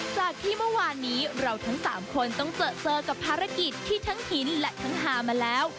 จากที่เมื่อวานนี้เราทั้ง๓คนต้องเจอกับภารกิจที่ทั้งหินและทั้งฮามาแล้ว